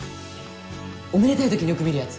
おめでたい時によく見るやつ。